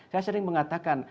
saya sering mengatakan